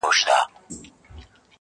چي پخوا به زه په کور کي ګرځېدمه -